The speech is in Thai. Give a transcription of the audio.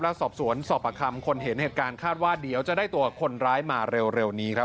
และสอบสวนสอบประคำคนเห็นเหตุการณ์คาดว่าเดี๋ยวจะได้ตัวคนร้ายมาเร็วนี้ครับ